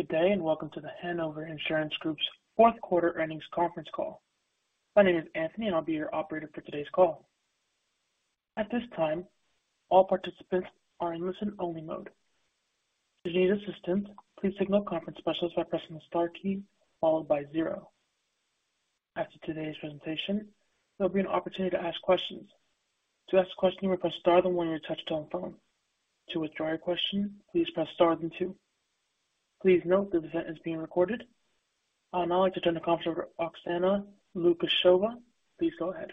Good day, and welcome to the Hanover Insurance Group's fourth quarter earnings conference call. My name is Anthony, and I'll be your operator for today's call. At this time, all participants are in listen-only mode. If you need assistance, please signal a conference specialist by pressing the star key followed by zero. After today's presentation, there'll be an opportunity to ask questions. To ask a question, press star, then one on your touchtone phone. To withdraw your question, please press star then two. Please note this event is being recorded. Now I'd like to turn the call over Oksana Lukasheva. Please go ahead.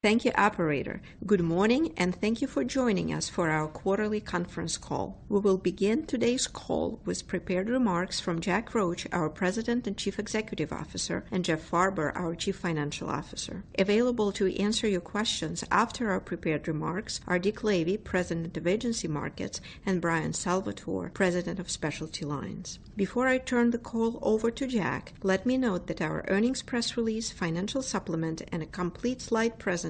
Thank you, operator. Good morning, and thank you for joining us for our quarterly conference call. We will begin today's call with prepared remarks from Jack Roche, our President and Chief Executive Officer, and Jeff Farber, our Chief Financial Officer. Available to answer your questions after our prepared remarks are Dick Lavey, President of Hanover Agency Markets, and Bryan Salvatore, President of Specialty Lines. Before I turn the call over to Jack, let me note that our earnings press release, financial supplement, and a complete slide presentation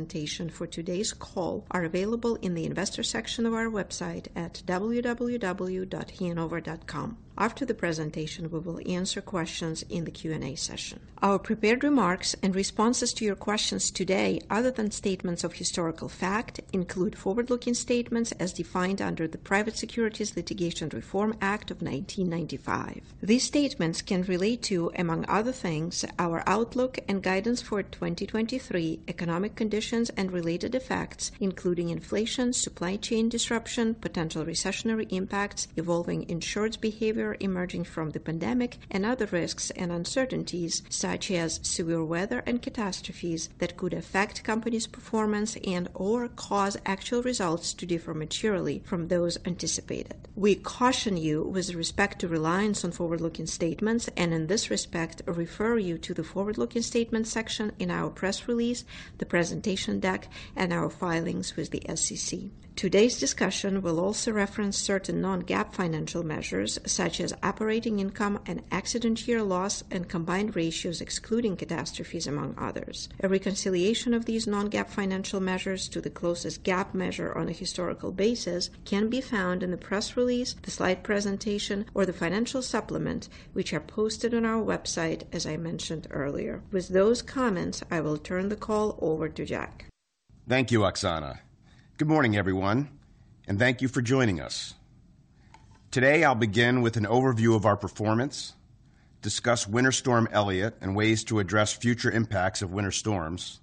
for today's call are available in the investor section of our website at www.hanover.com. After the presentation, we will answer questions in the Q&A session. Our prepared remarks and responses to your questions today, other than statements of historical fact, include forward-looking statements as defined under the Private Securities Litigation Reform Act of 1995. These statements can relate to, among other things, our outlook and guidance for 2023, economic conditions and related effects, including inflation, supply chain disruption, potential recessionary impacts, evolving insured's behavior emerging from the pandemic and other risks and uncertainties such as severe weather and catastrophes that could affect company's performance and/or cause actual results to differ materially from those anticipated. We caution you with respect to reliance on forward-looking statements and in this respect, refer you to the forward-looking statements section in our press release, the presentation deck, and our filings with the SEC. Today's discussion will also reference certain Non-GAAP financial measures such as operating income and accident year loss and combined ratios excluding catastrophes, among others. A reconciliation of these Non-GAAP financial measures to the closest GAAP measure on a historical basis can be found in the press release, the slide presentation or the financial supplement, which are posted on our website, as I mentioned earlier. With those comments, I will turn the call over to Jack. Thank you, Oksana. Good morning, everyone, and thank you for joining us. Today, I'll begin with an overview of our performance, discuss Winter Storm Elliott and ways to address future impacts of winter storms,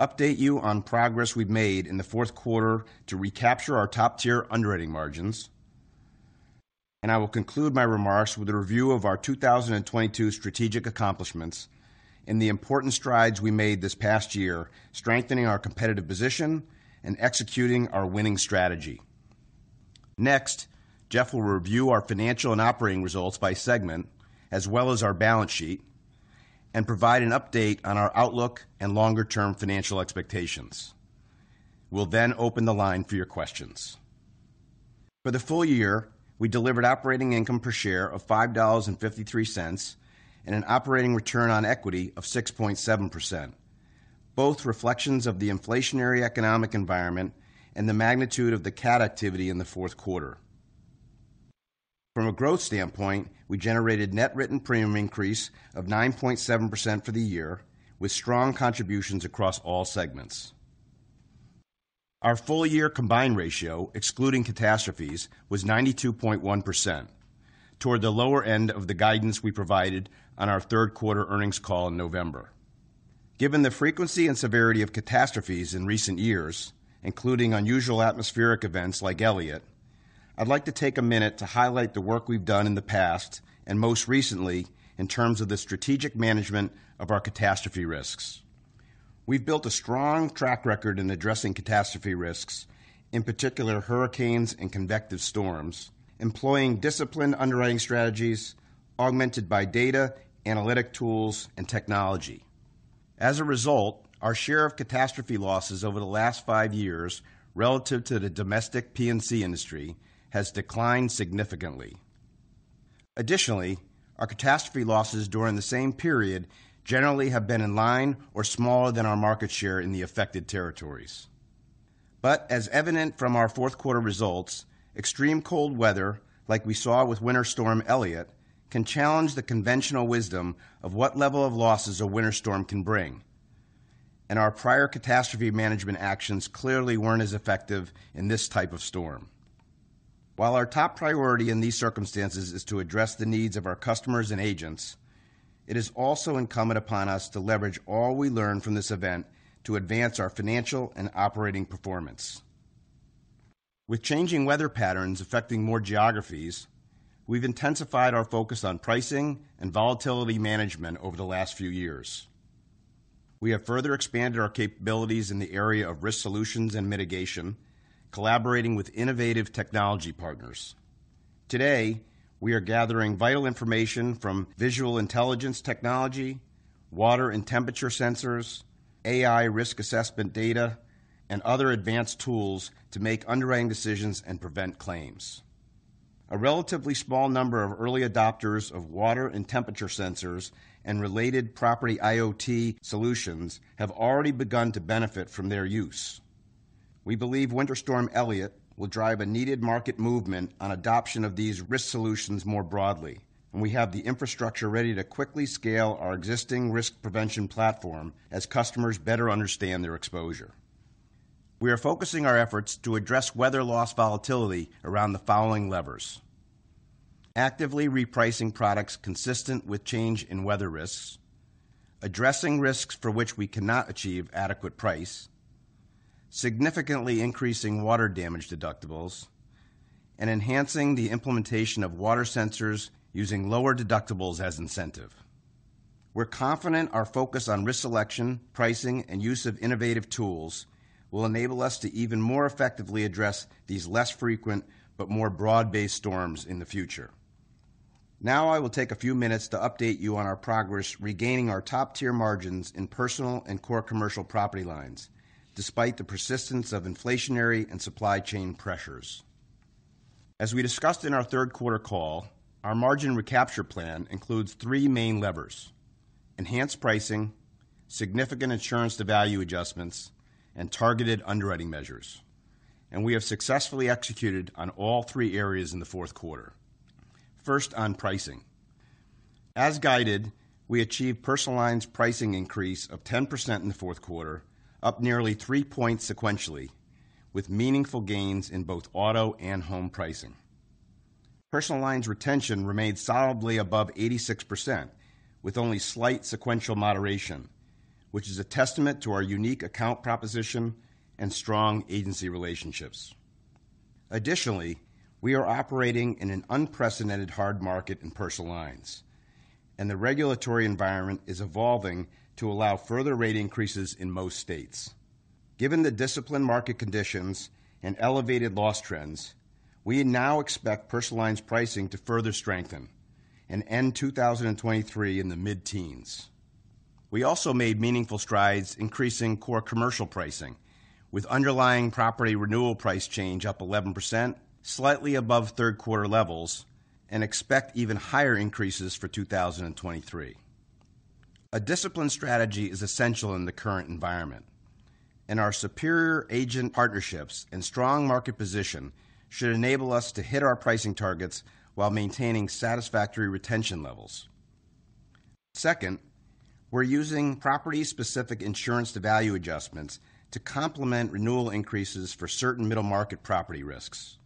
update you on progress we've made in the fourth quarter to recapture our top-tier underwriting margins. I will conclude my remarks with a review of our 2022 strategic accomplishments and the important strides we made this past year, strengthening our competitive position and executing our winning strategy. Next, Jeff will review our financial and operating results by segment as well as our balance sheet and provide an update on our outlook and longer-term financial expectations. We'll then open the line for your questions. For the full year, we delivered operating income per share of $5.53 and an operating return on equity of 6.7%, both reflections of the inflationary economic environment and the magnitude of the cat activity in the fourth quarter. From a growth standpoint, we generated net written premium increase of 9.7% for the year, with strong contributions across all segments. Our full year combined ratio, excluding catastrophes, was 92.1% toward the lower end of the guidance we provided on our third quarter earnings call in November. Given the frequency and severity of catastrophes in recent years, including unusual atmospheric events like Elliott, I'd like to take a minute to highlight the work we've done in the past and most recently in terms of the strategic management of our catastrophe risks. We've built a strong track record in addressing catastrophe risks, in particular hurricanes and convective storms, employing disciplined underwriting strategies augmented by data, analytic tools and technology. As a result, our share of catastrophe losses over the last five years relative to the domestic P&C industry has declined significantly. Additionally, our catastrophe losses during the same period generally have been in line or smaller than our market share in the affected territories. As evident from our fourth quarter results, extreme cold weather, like we saw with Winter Storm Elliott, can challenge the conventional wisdom of what level of losses a winter storm can bring. Our prior catastrophe management actions clearly weren't as effective in this type of storm. While our top priority in these circumstances is to address the needs of our customers and agents, it is also incumbent upon us to leverage all we learn from this event to advance our financial and operating performance. With changing weather patterns affecting more geographies, we've intensified our focus on pricing and volatility management over the last few years. We have further expanded our capabilities in the area of risk solutions and mitigation, collaborating with innovative technology partners. Today, we are gathering vital information from visual intelligence technology, water and temperature sensors, AI risk assessment data, and other advanced tools to make underwriting decisions and prevent claims. A relatively small number of early adopters of water and temperature sensors and related property IoT solutions have already begun to benefit from their use. We believe Winter Storm Elliott will drive a needed market movement on adoption of these risk solutions more broadly, and we have the infrastructure ready to quickly scale our existing risk prevention platform as customers better understand their exposure. We are focusing our efforts to address weather loss volatility around the following levers. Actively repricing products consistent with change in weather risks, addressing risks for which we cannot achieve adequate price, significantly increasing water damage deductibles, and enhancing the implementation of water sensors using lower deductibles as incentive. We're confident our focus on risk selection, pricing, and use of innovative tools will enable us to even more effectively address these less frequent but more broad-based storms in the future. Now I will take a few minutes to update you on our progress regaining our top-tier margins in personal and core commercial property lines despite the persistence of inflationary and supply chain pressures. As we discussed in our third quarter call, our margin recapture plan includes three main levers: enhanced pricing, significant insurance-to-value adjustments, and targeted underwriting measures. We have successfully executed on all three areas in the fourth quarter. First, on pricing. As guided, we achieved personal lines pricing increase of 10% in the fourth quarter, up nearly 3 points sequentially, with meaningful gains in both auto and home pricing. Personal lines retention remained solidly above 86% with only slight sequential moderation, which is a testament to our unique account proposition and strong agency relationships. Additionally, we are operating in an unprecedented hard market in personal lines, and the regulatory environment is evolving to allow further rate increases in most states. Given the disciplined market conditions and elevated loss trends, we now expect personal lines pricing to further strengthen and end 2023 in the mid-teens. We also made meaningful strides increasing core commercial pricing with underlying property renewal price change up 11%, slightly above third quarter levels, and expect even higher increases for 2023. A disciplined strategy is essential in the current environment, and our superior agent partnerships and strong market position should enable us to hit our pricing targets while maintaining satisfactory retention levels. Second, we're using property-specific insurance-to-value adjustments to complement renewal increases for certain middle market property risks.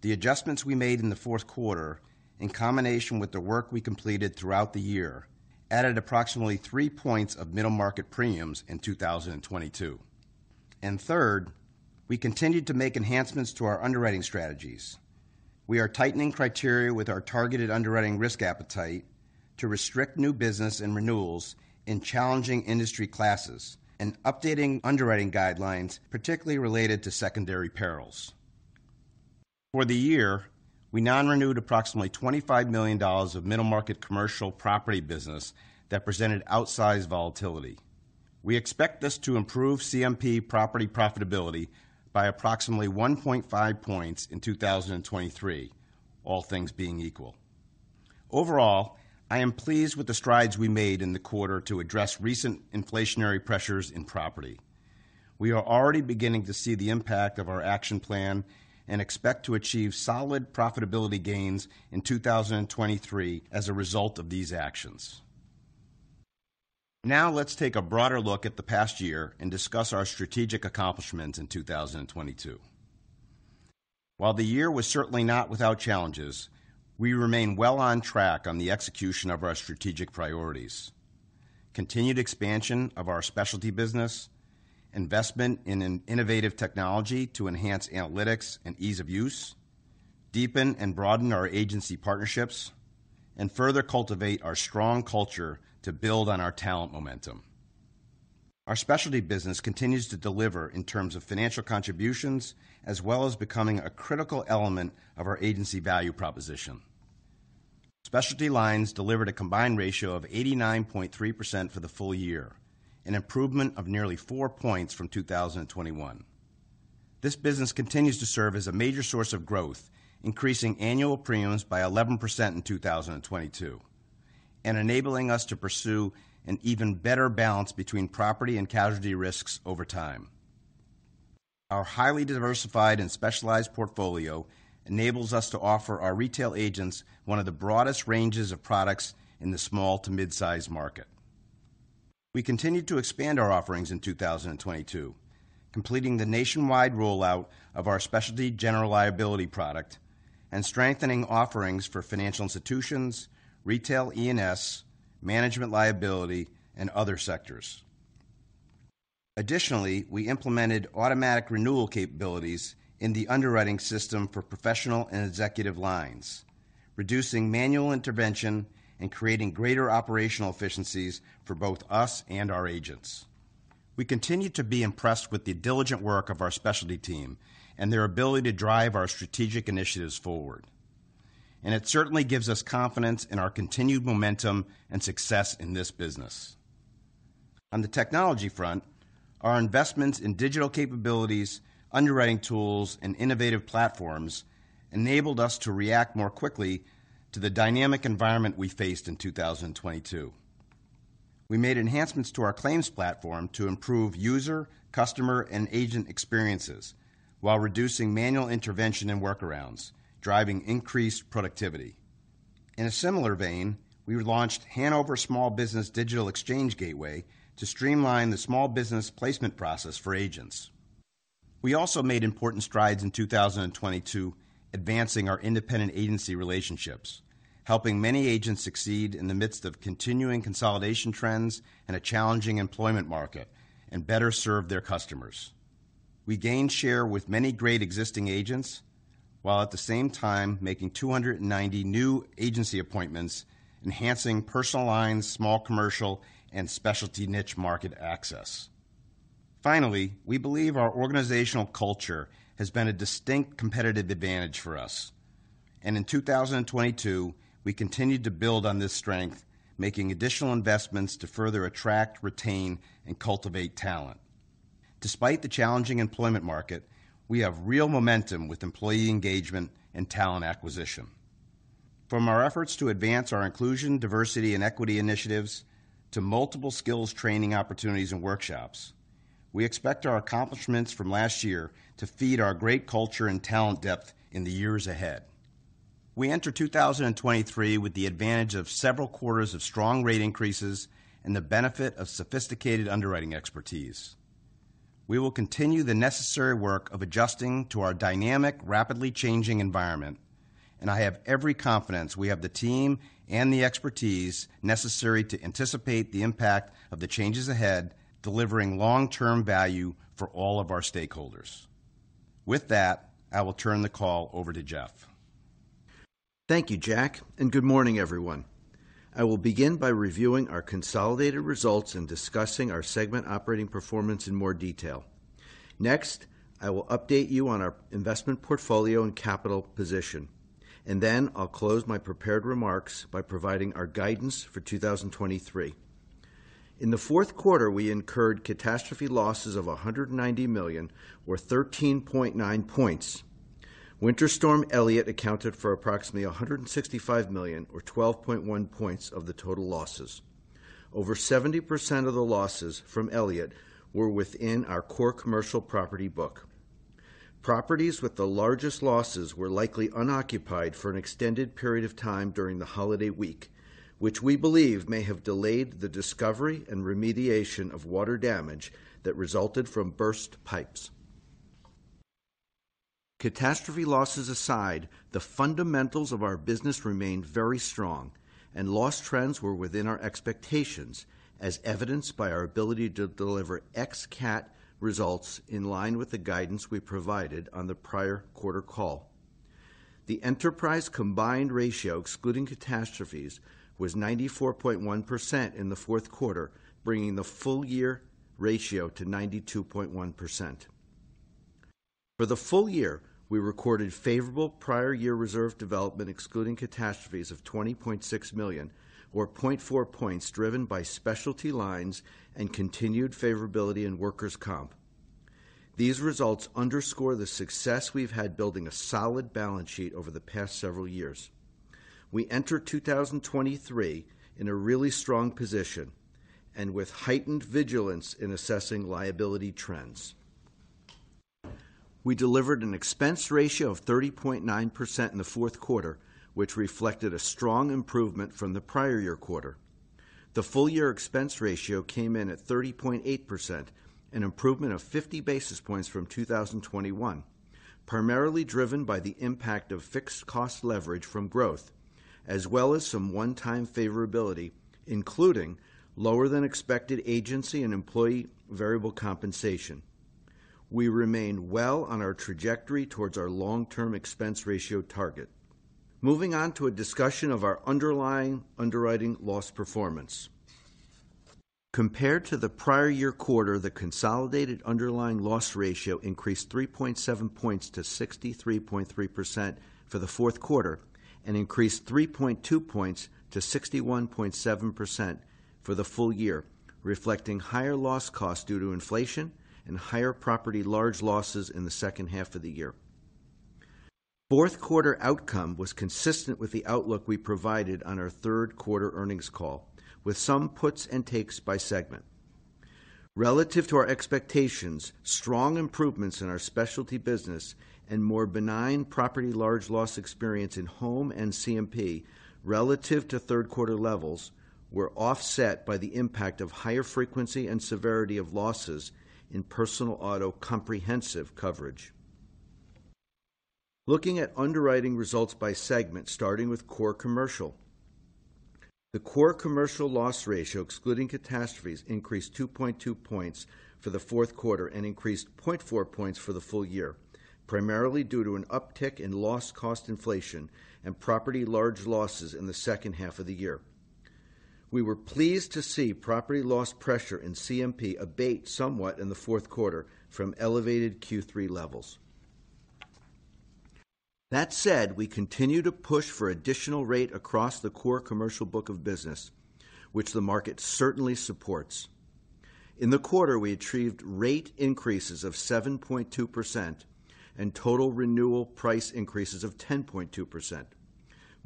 The adjustments we made in the fourth quarter, in combination with the work we completed throughout the year, added approximately 3 points of middle market premiums in 2022. Third, we continued to make enhancements to our underwriting strategies. We are tightening criteria with our targeted underwriting risk appetite to restrict new business and renewals in challenging industry classes and updating underwriting guidelines, particularly related to secondary perils. For the year, we non-renewed approximately $25 million of middle market commercial property business that presented outsized volatility. We expect this to improve CMP property profitability by approximately 1.5 points in 2023, all things being equal. Overall, I am pleased with the strides we made in the quarter to address recent inflationary pressures in property. We are already beginning to see the impact of our action plan and expect to achieve solid profitability gains in 2023 as a result of these actions. Let's take a broader look at the past year and discuss our strategic accomplishments in 2022. While the year was certainly not without challenges, we remain well on track on the execution of our strategic priorities. Continued expansion of our specialty business, investment in an innovative technology to enhance analytics and ease of use, deepen and broaden our agency partnerships, and further cultivate our strong culture to build on our talent momentum. Our specialty business continues to deliver in terms of financial contributions as well as becoming a critical element of our agency value proposition. Specialty lines delivered a combined ratio of 89.3% for the full year, an improvement of nearly 4 points from 2021. This business continues to serve as a major source of growth, increasing annual premiums by 11% in 2022, and enabling us to pursue an even better balance between property and casualty risks over time. Our highly diversified and specialized portfolio enables us to offer our retail agents one of the broadest ranges of products in the small to mid-size market. We continued to expand our offerings in 2022, completing the nationwide rollout of our specialty general liability product and strengthening offerings for financial institutions, retail E&S, management liability, and other sectors. Additionally, we implemented automatic renewal capabilities in the underwriting system for professional and executive lines, reducing manual intervention and creating greater operational efficiencies for both us and our agents. We continue to be impressed with the diligent work of our specialty team and their ability to drive our strategic initiatives forward. It certainly gives us confidence in our continued momentum and success in this business. On the technology front, our investments in digital capabilities, underwriting tools, and innovative platforms enabled us to react more quickly to the dynamic environment we faced in 2022. We made enhancements to our claims platform to improve user, customer, and agent experiences while reducing manual intervention and workarounds, driving increased productivity. In a similar vein, we launched The Hanover Small Business Digital Exchange Gateway to streamline the small business placement process for agents. We also made important strides in 2022 advancing our independent agency relationships, helping many agents succeed in the midst of continuing consolidation trends and a challenging employment market, and better serve their customers. We gained share with many great existing agents, while at the same time making 290 new agency appointments, enhancing personal lines, small commercial, and specialty niche market access. We believe our organizational culture has been a distinct competitive advantage for us. In 2022, we continued to build on this strength, making additional investments to further attract, retain, and cultivate talent. Despite the challenging employment market, we have real momentum with employee engagement and talent acquisition. From our efforts to advance our inclusion, diversity, and equity initiatives to multiple skills training opportunities and workshops, we expect our accomplishments from last year to feed our great culture and talent depth in the years ahead. We enter 2023 with the advantage of several quarters of strong rate increases and the benefit of sophisticated underwriting expertise. We will continue the necessary work of adjusting to our dynamic, rapidly changing environment, and I have every confidence we have the team and the expertise necessary to anticipate the impact of the changes ahead, delivering long-term value for all of our stakeholders. With that, I will turn the call over to Jeff. Thank you, Jack, and good morning, everyone. I will begin by reviewing our consolidated results and discussing our segment operating performance in more detail. Next, I will update you on our investment portfolio and capital position. Then I'll close my prepared remarks by providing our guidance for 2023. In the fourth quarter, we incurred catastrophe losses of $190 million or 13.9 points. Winter Storm Elliott accounted for approximately $165 million or 12.1 points of the total losses. Over 70% of the losses from Elliott were within our core commercial property book. Properties with the largest losses were likely unoccupied for an extended period of time during the holiday week, which we believe may have delayed the discovery and remediation of water damage that resulted from burst pipes. catastrophe losses aside, the fundamentals of our business remained very strong, and loss trends were within our expectations, as evidenced by our ability to deliver ex-cat results in line with the guidance we provided on the prior quarter call. The enterprise combined ratio, excluding catastrophes, was 94.1% in the fourth quarter, bringing the full year ratio to 92.1%. For the full year, we recorded favorable prior year reserve development excluding catastrophes of $20.6 million or 0.4 points driven by specialty lines and continued favorability in workers' comp. These results underscore the success we've had building a solid balance sheet over the past several years. We enter 2023 in a really strong position and with heightened vigilance in assessing liability trends. We delivered an expense ratio of 30.9% in the fourth quarter, which reflected a strong improvement from the prior year quarter. The full year expense ratio came in at 30.8%, an improvement of 50 basis points from 2021, primarily driven by the impact of fixed cost leverage from growth, as well as some one-time favorability, including lower than expected agency and employee variable compensation. We remain well on our trajectory towards our long-term expense ratio target. Moving on to a discussion of our underlying underwriting loss performance. Compared to the prior year quarter, the consolidated underlying loss ratio increased 3.7 points to 63.3% for the fourth quarter and increased 3.2 points to 61.7% for the full year, reflecting higher loss costs due to inflation and higher property large losses in the second half of the year. Fourth quarter outcome was consistent with the outlook we provided on our third quarter earnings call, with some puts and takes by segment. Relative to our expectations, strong improvements in our specialty business and more benign property large loss experience in home and CMP relative to third quarter levels were offset by the impact of higher frequency and severity of losses in personal auto comprehensive coverage. Looking at underwriting results by segment, starting with core commercial. The core commercial loss ratio, excluding catastrophes, increased 2.2 points for the fourth quarter and increased 0.4 points for the full year, primarily due to an uptick in loss cost inflation and property large losses in the second half of the year. We were pleased to see property loss pressure in CMP abate somewhat in the fourth quarter from elevated Q3 levels. We continue to push for additional rate across the core commercial book of business, which the market certainly supports. In the quarter, we achieved rate increases of 7.2% and total renewal price increases of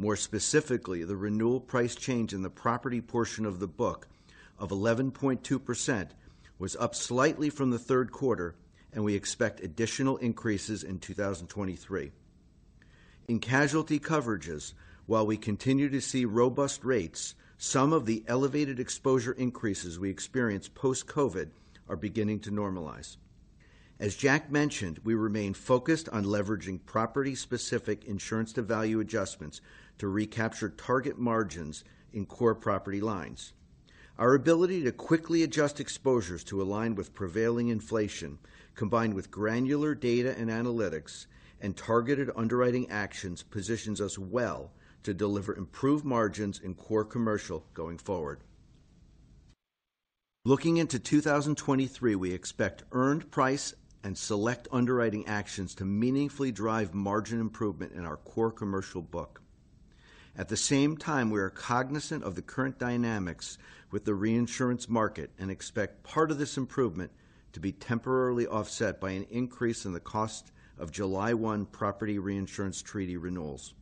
10.2%. The renewal price change in the property portion of the book of 11.2% was up slightly from the third quarter, and we expect additional increases in 2023. In casualty coverages, while we continue to see robust rates, some of the elevated exposure increases we experienced post-COVID are beginning to normalize. As Jack mentioned, we remain focused on leveraging property-specific insurance-to-value adjustments to recapture target margins in core property lines. Our ability to quickly adjust exposures to align with prevailing inflation, combined with granular data and analytics and targeted underwriting actions, positions us well to deliver improved margins in core commercial going forward. Looking into 2023, we expect earned price and select underwriting actions to meaningfully drive margin improvement in our core commercial book. At the same time, we are cognizant of the current dynamics with the reinsurance market and expect part of this improvement to be temporarily offset by an increase in the cost of July 1st property reinsurance treaty renewals.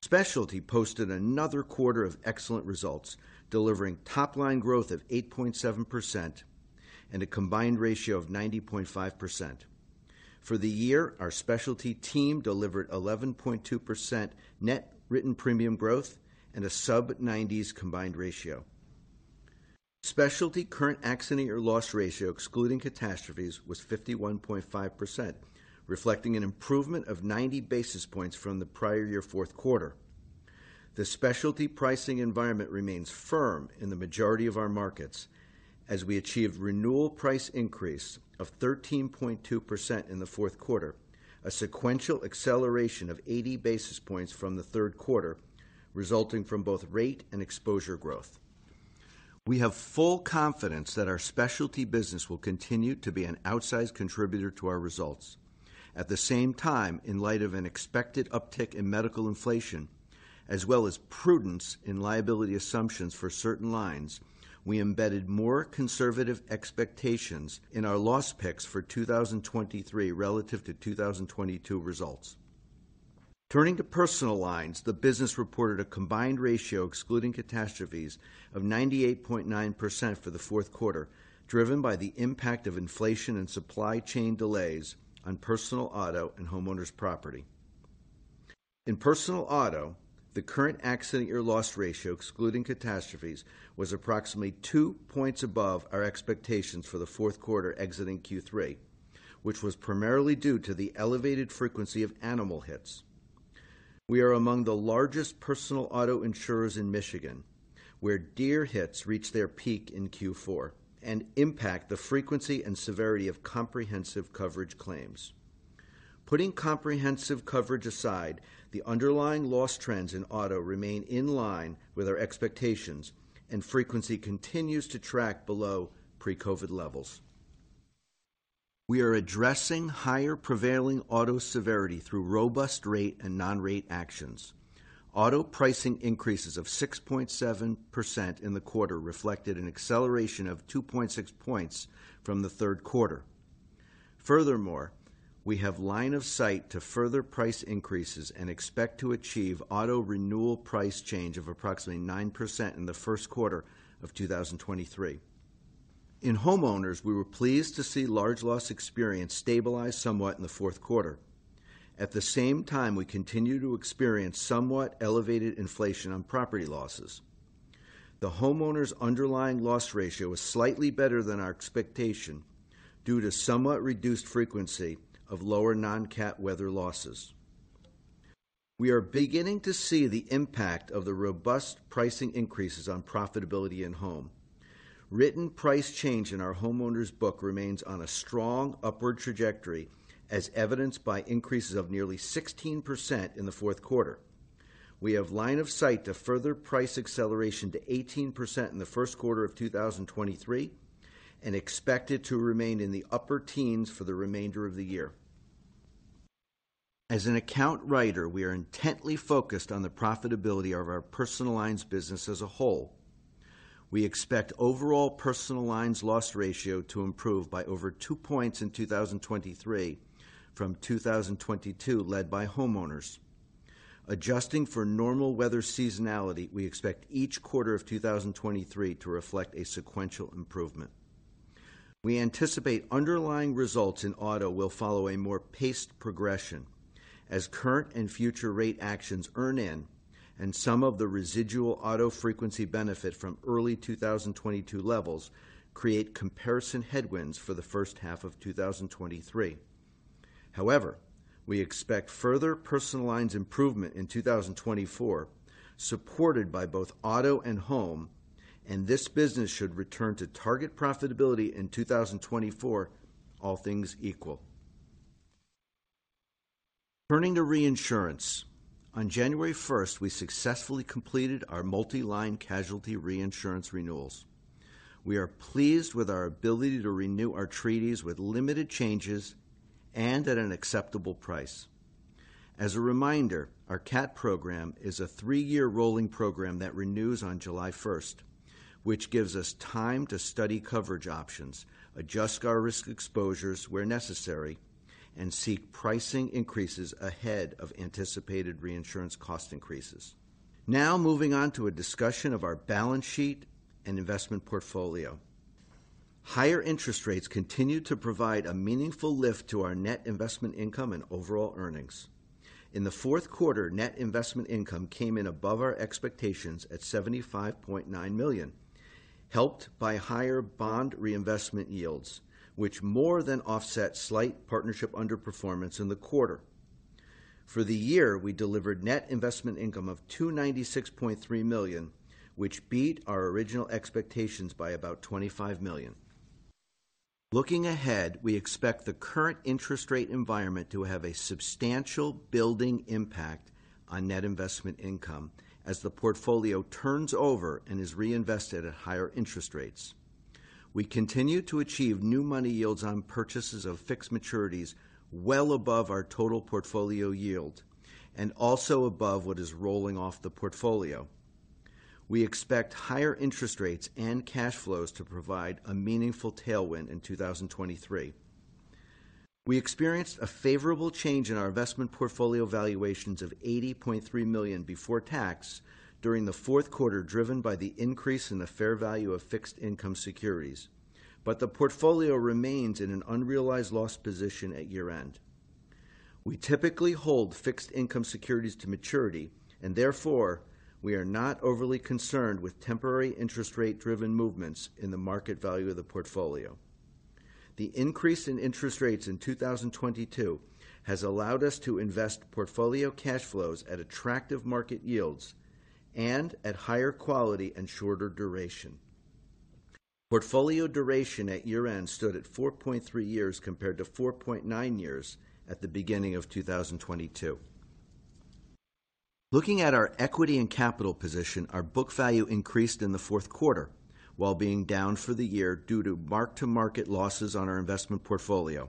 Specialty posted another quarter of excellent results, delivering top-line growth of 8.7% and a combined ratio of 90.5%. For the year, our Specialty team delivered 11.2% net written premium growth and a sub-90s combined ratio. Specialty current accident year loss ratio, excluding catastrophes, was 51.5%, reflecting an improvement of 90 basis points from the prior year fourth quarter. The Specialty pricing environment remains firm in the majority of our markets as we achieved renewal price increase of 13.2% in the fourth quarter, a sequential acceleration of 80 basis points from the third quarter, resulting from both rate and exposure growth. We have full confidence that our Specialty business will continue to be an outsized contributor to our results. At the same time, in light of an expected uptick in medical inflation, as well as prudence in liability assumptions for certain lines, we embedded more conservative expectations in our loss picks for 2023 relative to 2022 results. Turning to personal lines, the business reported a combined ratio excluding catastrophes of 98.9% for the fourth quarter, driven by the impact of inflation and supply chain delays on personal auto and homeowners property. In personal auto, the current accident year loss ratio excluding catastrophes was approximately 2 points above our expectations for the fourth quarter exiting Q3, which was primarily due to the elevated frequency of animal hits. We are among the largest personal auto insurers in Michigan, where deer hits reach their peak in Q4 and impact the frequency and severity of comprehensive coverage claims. Putting comprehensive coverage aside, the underlying loss trends in auto remain in line with our expectations, and frequency continues to track below pre-COVID levels. We are addressing higher prevailing auto severity through robust rate and non-rate actions. Auto pricing increases of 6.7% in the quarter reflected an acceleration of 2.6 points from the third quarter. Furthermore, we have line of sight to further price increases and expect to achieve auto renewal price change of approximately 9% in the first quarter of 2023. In homeowners, we were pleased to see large loss experience stabilize somewhat in the fourth quarter. At the same time, we continue to experience somewhat elevated inflation on property losses. The homeowners' underlying loss ratio was slightly better than our expectation due to somewhat reduced frequency of lower non-cat weather losses. We are beginning to see the impact of the robust pricing increases on profitability in home. Written price change in our homeowners book remains on a strong upward trajectory as evidenced by increases of nearly 16% in the fourth quarter. We have line of sight to further price acceleration to 18% in the first quarter of 2023 and expect it to remain in the upper teens for the remainder of the year. As an account writer, we are intently focused on the profitability of our personal lines business as a whole. We expect overall personal lines loss ratio to improve by over 2 points in 2023 from 2022 led by homeowners. Adjusting for normal weather seasonality, we expect each quarter of 2023 to reflect a sequential improvement. We anticipate underlying results in auto will follow a more paced progression as current and future rate actions earn in and some of the residual auto frequency benefit from early 2022 levels create comparison headwinds for the first half of 2023. However, we expect further personal lines improvement in 2024 supported by both auto and home. This business should return to target profitability in 2024, all things equal. Turning to reinsurance, on January first, we successfully completed our multi-line casualty reinsurance renewals. We are pleased with our ability to renew our treaties with limited changes and at an acceptable price. As a reminder, our cat program is a three-year rolling program that renews on July first, which gives us time to study coverage options, adjust our risk exposures where necessary, and seek pricing increases ahead of anticipated reinsurance cost increases. Moving on to a discussion of our balance sheet and investment portfolio. Higher interest rates continue to provide a meaningful lift to our net investment income and overall earnings. In the fourth quarter, net investment income came in above our expectations at $75.9 million, helped by higher bond reinvestment yields, which more than offset slight partnership underperformance in the quarter. For the year, we delivered net investment income of $296.3 million, which beat our original expectations by about $25 million. Looking ahead, we expect the current interest rate environment to have a substantial building impact on net investment income as the portfolio turns over and is reinvested at higher interest rates. We continue to achieve new money yields on purchases of fixed maturities well above our total portfolio yield and also above what is rolling off the portfolio. We expect higher interest rates and cash flows to provide a meaningful tailwind in 2023. We experienced a favorable change in our investment portfolio valuations of $80.3 million before tax during the fourth quarter, driven by the increase in the fair value of fixed income securities. The portfolio remains in an unrealized loss position at year-end. We typically hold fixed income securities to maturity, and therefore we are not overly concerned with temporary interest rate-driven movements in the market value of the portfolio. The increase in interest rates in 2022 has allowed us to invest portfolio cash flows at attractive market yields and at higher quality and shorter duration. Portfolio duration at year-end stood at 4.3 years compared to 4.9 years at the beginning of 2022. Looking at our equity and capital position, our book value increased in the fourth quarter while being down for the year due to mark-to-market losses on our investment portfolio.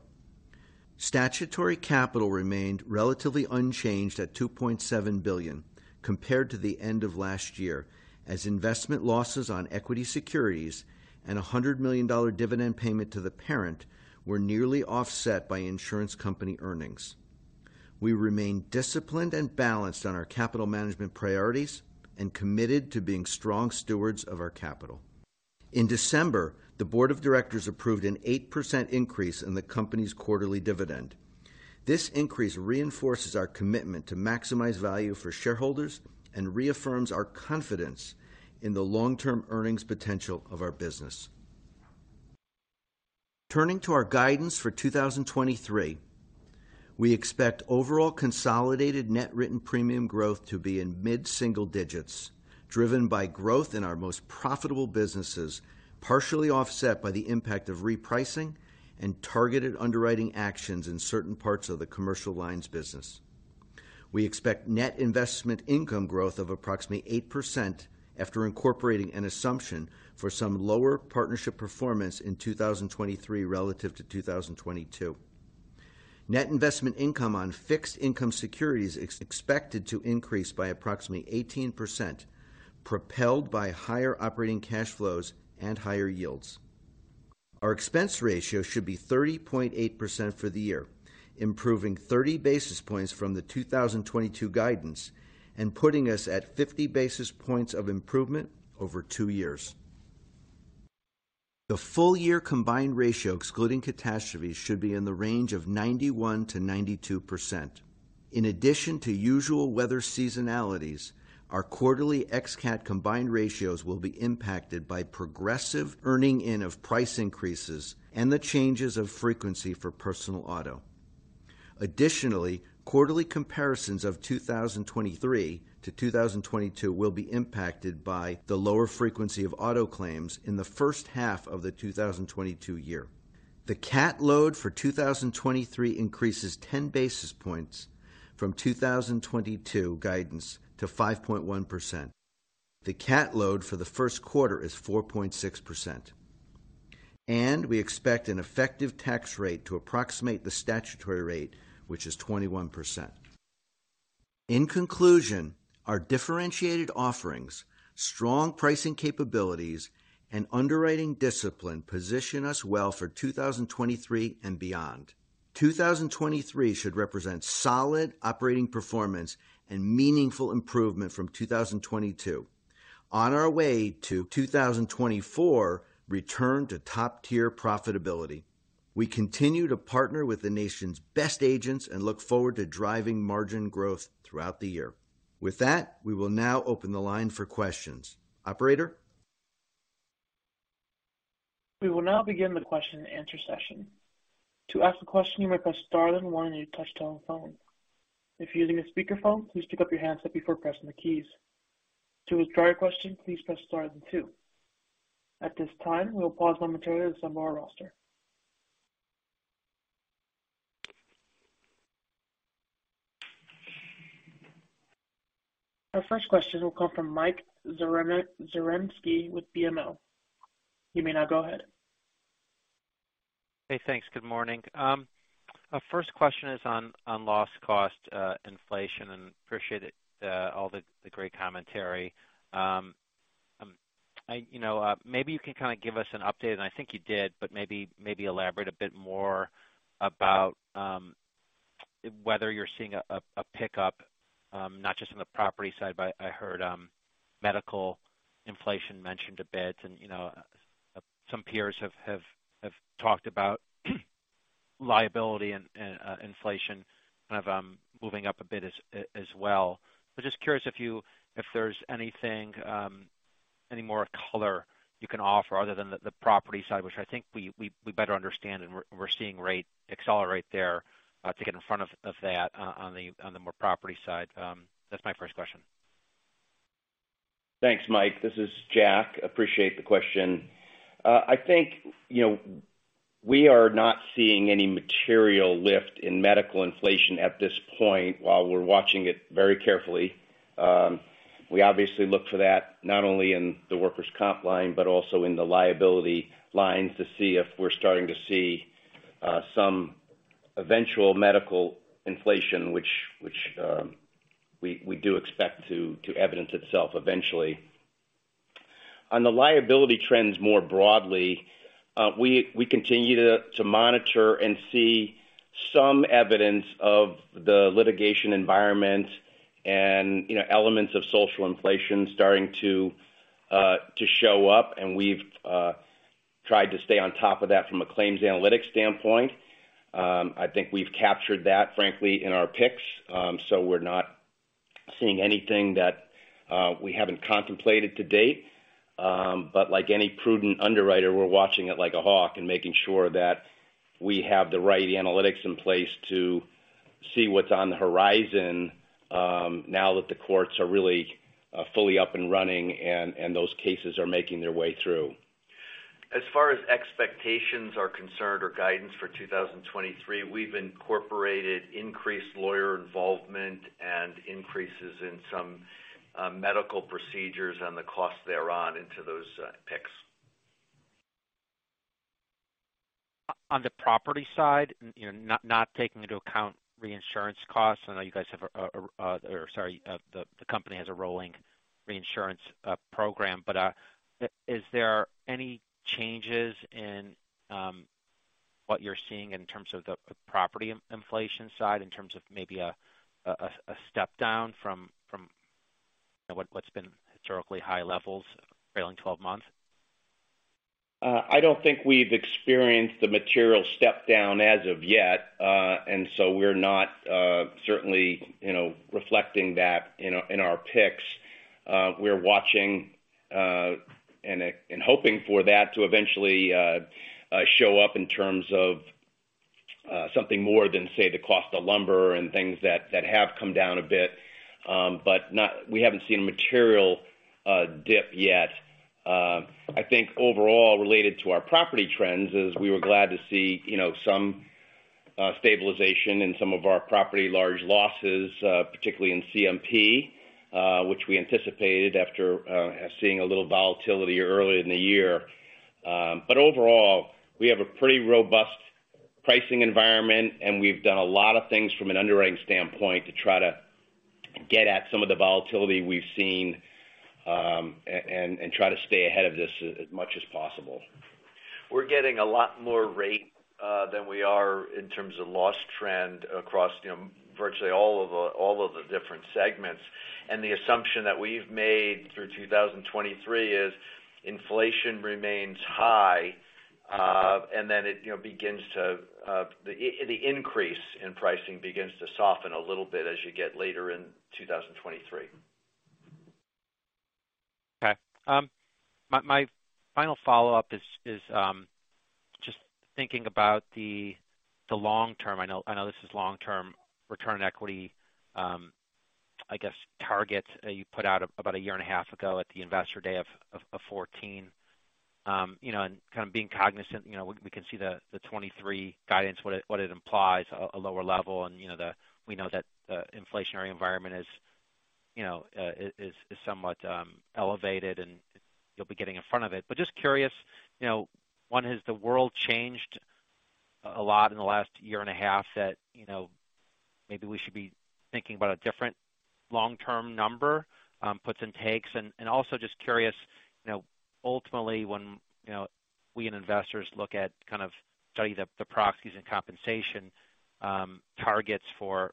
Statutory capital remained relatively unchanged at $2.7 billion compared to the end of last year as investment losses on equity securities and a $100 million dividend payment to the parent were nearly offset by insurance company earnings. We remain disciplined and balanced on our capital management priorities and committed to being strong stewards of our capital. In December, the board of directors approved an 8% increase in the company's quarterly dividend. This increase reinforces our commitment to maximize value for shareholders and reaffirms our confidence in the long-term earnings potential of our business. Turning to our guidance for 2023, we expect overall consolidated net written premium growth to be in mid-single digits, driven by growth in our most profitable businesses, partially offset by the impact of repricing and targeted underwriting actions in certain parts of the commercial lines business. We expect net investment income growth of approximately 8% after incorporating an assumption for some lower partnership performance in 2023 relative to 2022. Net investment income on fixed income securities is expected to increase by approximately 18%, propelled by higher operating cash flows and higher yields. Our expense ratio should be 30.8% for the year, improving 30 basis points from the 2022 guidance and putting us at 50 basis points of improvement over two years. The full year combined ratio, excluding catastrophes, should be in the range of 91%-92%. In addition to usual weather seasonalities, our quarterly ex-cat combined ratios will be impacted by progressive earning in of price increases and the changes of frequency for personal auto. Quarterly comparisons of 2023-2022 will be impacted by the lower frequency of auto claims in the first half of the 2022 year. The cat load for 2023 increases 10 basis points from 2022 guidance to 5.1%. The cat load for the first quarter is 4.6%. We expect an effective tax rate to approximate the statutory rate, which is 21%. In conclusion, our differentiated offerings, strong pricing capabilities, and underwriting discipline position us well for 2023 and beyond. 2023 should represent solid operating performance and meaningful improvement from 2022. On our way to 2024 return to top-tier profitability, we continue to partner with the nation's best agents and look forward to driving margin growth throughout the year. With that, we will now open the line for questions. Operator? We will now begin the question and answer session. To ask a question, you may press star then 1 on your touchtone phone. If you're using a speakerphone, please pick up your handset before pressing the keys. To withdraw your question, please press star then two. At this time, we'll pause momentarily as some more roster. Our first question will come from Oksana Lukasheva. You may now go ahead. Hey, thanks. Good morning. Our first question is on loss cost inflation, and appreciate it all the great commentary. I, you know, maybe you can kind of give us an update, and I think you did, but maybe elaborate a bit more about whether you're seeing a pickup not just on the property side, but I heard medical inflation mentioned a bit. You know, some peers have talked about liability and inflation kind of moving up a bit as well. Just curious if there's anything, any more color you can offer other than the property side, which I think we better understand and we're seeing rate accelerate there, to get in front of that on the more property side. That's my first question. Thanks, Mike. This is Jack. Appreciate the question. I think, you know, we are not seeing any material lift in medical inflation at this point, while we're watching it very carefully. We obviously look for that not only in the workers' comp line, but also in the liability lines to see if we're starting to see some eventual medical inflation, which we do expect to evidence itself eventually. On the liability trends more broadly, we continue to monitor and see some evidence of the litigation environment and, you know, elements of social inflation starting to show up, and we've tried to stay on top of that from a claims analytics standpoint. I think we've captured that, frankly, in our picks. We're not seeing anything that we haven't contemplated to date. Like any prudent underwriter, we're watching it like a hawk and making sure that we have the right analytics in place to see what's on the horizon, now that the courts are really fully up and running and those cases are making their way through. As far as expectations are concerned or guidance for 2023, we've incorporated increased lawyer involvement and increases in some medical procedures and the costs thereon into those picks. On the property side, you know, not taking into account reinsurance costs. I know you guys have a, or sorry, the company has a rolling reinsurance program. Is there any changes in what you're seeing in terms of the property inflation side, in terms of maybe a step down from what's been historically high levels trailing twelve months? I don't think we've experienced the material step down as of yet. We're not, certainly, you know, reflecting that in our picks. We're watching, and hoping for that to eventually show up in terms of something more than, say, the cost of lumber and things that have come down a bit. We haven't seen a material dip yet. I think overall, related to our property trends is we were glad to see, you know, some stabilization in some of our property large losses, particularly in CMP, which we anticipated after seeing a little volatility earlier in the year. Overall, we have a pretty robust pricing environment, and we've done a lot of things from an underwriting standpoint to try to get at some of the volatility we've seen, and try to stay ahead of this as much as possible. We're getting a lot more rate, than we are in terms of loss trend across, you know, virtually all of the different segments. The assumption that we've made through 2023 is inflation remains high, and then it, you know, begins to, the increase in pricing begins to soften a little bit as you get later in 2023. Okay. My final follow-up is just thinking about the long term. I know this is long-term return on equity, I guess targets, you put out about a year and a half ago at the Investor Day of 14. You know, and kind of being cognizant, you know, we can see the 2023 guidance, what it implies, a lower level. And, you know, we know that the inflationary environment is, you know, is somewhat elevated, and you'll be getting in front of it. But just curious, you know, one, has the world changed a lot in the last year and a half that, you know, maybe we should be thinking about a different long-term number, puts and takes? Also just curious, you know, ultimately, when, you know, we and investors look at kind of study the proxies and compensation targets for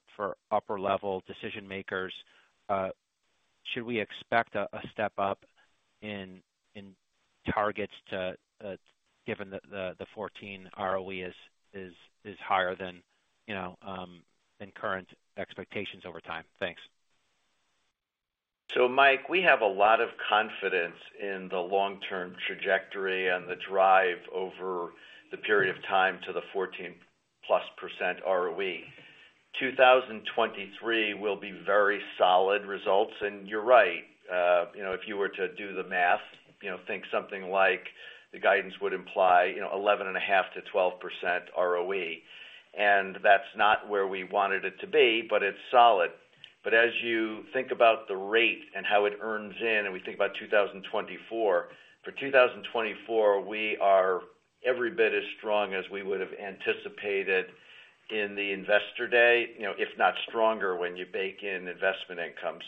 upper-level decision makers, should we expect a step up in targets to, given the 14 ROE is higher than, you know, than current expectations over time? Thanks. Mike, we have a lot of confidence in the long-term trajectory and the drive over the period of time to the 14+% ROE. 2023 will be very solid results, and you're right. You know, if you were to do the math, you know, think something like the guidance would imply, you know, 11.5%-12% ROE. That's not where we wanted it to be, but it's solid. As you think about the rate and how it earns in, and we think about 2024, for 2024, we are every bit as strong as we would've anticipated in the investor day, you know, if not stronger when you bake in investment income.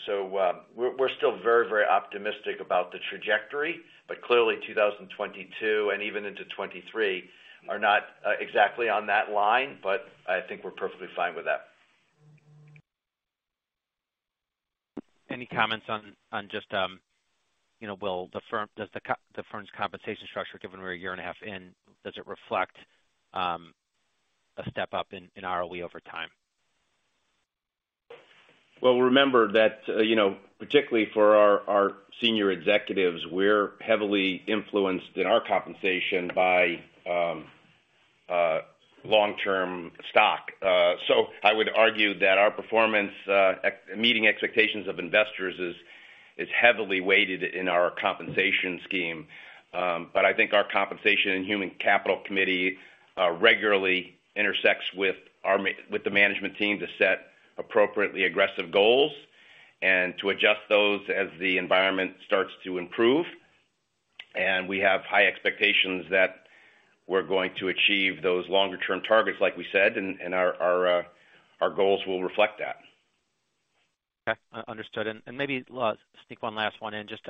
We're still very, very optimistic about the trajectory, but clearly, 2022 and even into 2023 are not exactly on that line, but I think we're perfectly fine with that. Any comments on just, you know, does the firm's compensation structure, given we're a year and a half in, does it reflect a step up in ROE over time? Well, remember that, you know, particularly for our senior executives, we're heavily influenced in our compensation by long-term stock. I would argue that our performance at meeting expectations of investors is heavily weighted in our compensation scheme. I think our compensation and human capital committee regularly intersects with the management team to set appropriately aggressive goals and to adjust those as the environment starts to improve. We have high expectations that we're going to achieve those longer term targets, like we said, and our goals will reflect that. Okay. Understood. Maybe we'll sneak one last one in. Just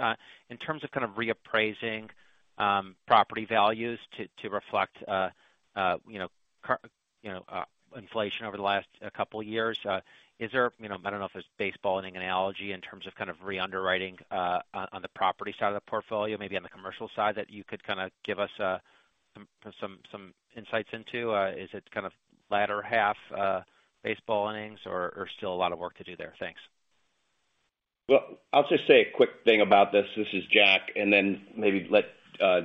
in terms of kinda reappraising property values to reflect, you know, inflation over the last couple years, is there, you know, I don't know if it's baseball inning analogy in terms of kinda re-underwriting on the property side of the portfolio, maybe on the commercial side that you could kinda give us some insights into? Is it kinda latter half, baseball innings or still a lot of work to do there? Thanks. I'll just say a quick thing about this. This is Jack, then maybe let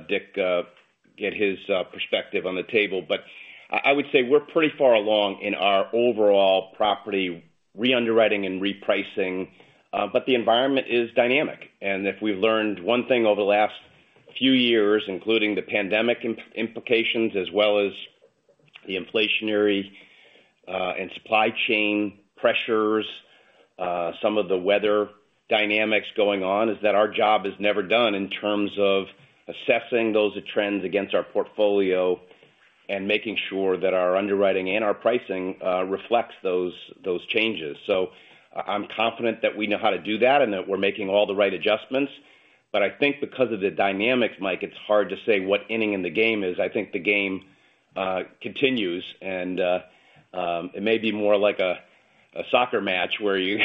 Dick get his perspective on the table. I would say we're pretty far along in our overall property re-underwriting and repricing. The environment is dynamic. If we've learned one thing over the last few years, including the pandemic implications as well as the inflationary and supply chain pressures, some of the weather dynamics going on, is that our job is never done in terms of assessing those trends against our portfolio and making sure that our underwriting and our pricing reflects those changes. I'm confident that we know how to do that and that we're making all the right adjustments. I think because of the dynamics, Mike, it's hard to say what inning in the game is. I think the game, continues and, it may be more like a soccer match where you